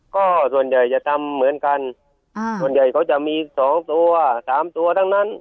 ก็ส่วนใหญ่จะทำเหมือนกันส่วนใหญ่เขาจะมี๒ตัว๓ตัวทั้งนั้น